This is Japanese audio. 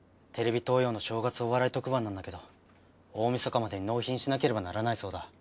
テレビ東洋の正月お笑い特番なんだけど大晦日までに納品しなければならないそうだ。